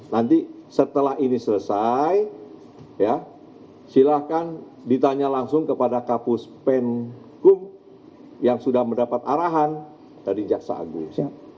nanti setelah ini selesai silahkan ditanya langsung kepada kapus penkum yang sudah mendapat arahan dari jaksa agung